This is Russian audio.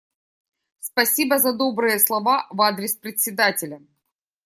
Спасибо за добрые слова в адрес Председателя.